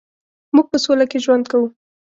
مونږ په سوله کې ژوند کوو